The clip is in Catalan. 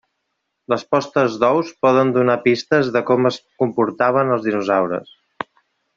Les postes d’ous poden donar pistes de com es comportaven els dinosaures.